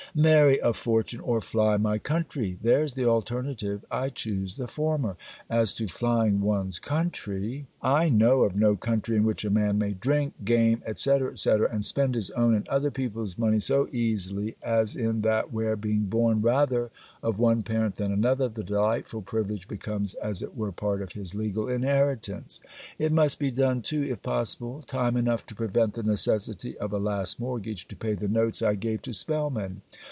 Marry a fortune or fly my country: there's the alternative. I choose the former. As to flying one's country, I know of no country in which a man may drink, game, &c. &c. and spend his own and other people's money so easily as in that where, being born rather of one parent than another, the delightful privilege becomes as it were part of his legal inheritance. It must be done too, if possible, time enough to prevent the necessity of a last mortgage to pay the notes I gave to Spellman.